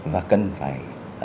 và cần phải